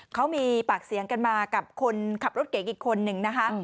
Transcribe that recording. เขามีปากเสียงกันมากับคนขับรถเก่งอีกคนนึงนะคะ